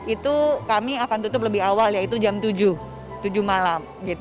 itu kami akan tutup lebih awal yaitu jam tujuh tujuh malam